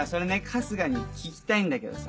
春日に聞きたいんだけどさ。